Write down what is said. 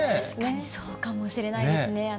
確かにそうかもしれないですね。